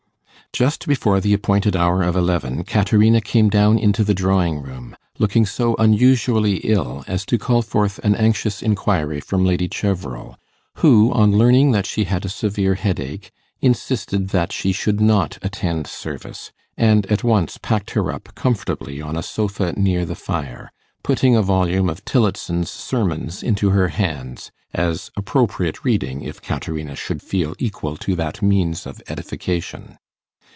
Just before the appointed hour of eleven, Caterina came down into the drawing room, looking so unusually ill as to call forth an anxious inquiry from Lady Cheverel, who, on learning that she had a severe headache, insisted that she should not attend service, and at once packed her up comfortably on a sofa near the fire, putting a volume of Tillotson's Sermons into her hands as appropriate reading, if Caterina should feel equal to that means of edification.